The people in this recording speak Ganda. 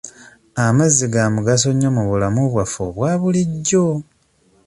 Amazzi ga mugaso nnyo mu bulamu bwaffe obwa bulijjo.